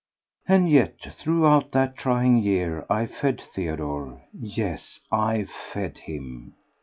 And yet throughout that trying year I fed Theodore—yes, I fed him.